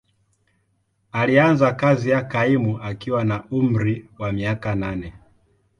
Alianza kazi ya kaimu akiwa na umri wa miaka nane.